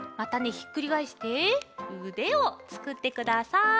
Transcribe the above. ひっくりがえしてうでをつくってください。